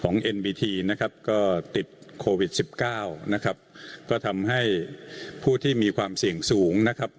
เอ็นบีทีนะครับก็ติดโควิดสิบเก้านะครับก็ทำให้ผู้ที่มีความเสี่ยงสูงนะครับ